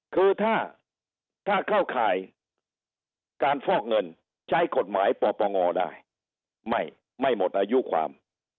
คือถ้าเข้าข่ายการฟอกเงินใช้กฎหมายปปงได้ไม่หมดอายุความ